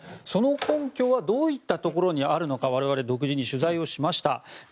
その根拠はどういったところにあるのか我々、独自に取材しました。